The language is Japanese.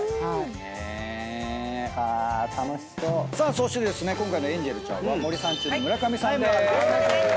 そして今回のエンジェルちゃんは森三中の村上さんでーす。